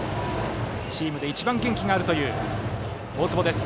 チームで一番元気があるという大坪です。